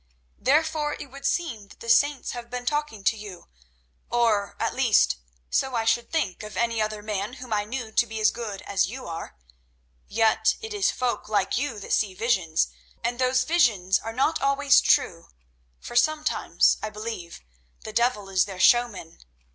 Therefore it would seem that the saints have been talking to you, or, at least, so I should think of any other man whom I knew to be as good as you are. Yet it is folk like you that see visions, and those visions are not always true, for sometimes, I believe, the devil is their showman.